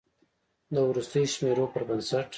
د وروستیو شمیرو پر بنسټ